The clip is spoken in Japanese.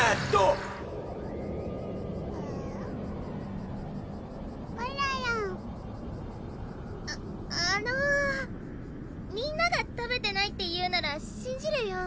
くるるんあっあのみんなが食べてないっていうならしんじるよ